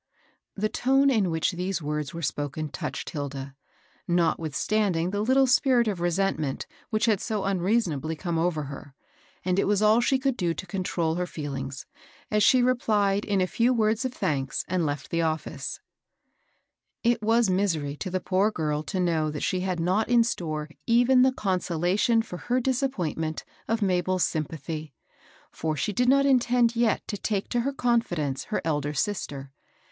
The tone in which these words were spoken touched Hilda, notwithstanding the little spirit of resentment which had so unreasonably come over her, and it was all she could do to control her feel ings, as she replied in a few words of thanks, and jaft the office A LEGAL FRIEND. 268 It was misery to the poor girl to know that she had not in store even the consolation for her disap pointment of Mabel's sympathy ; for she did not intend yet to take to her confidence her elder sis ter.